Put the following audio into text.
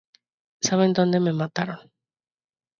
Saben dónde me mataron.